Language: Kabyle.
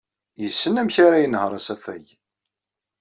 Yessen amek ara yenheṛ asafag.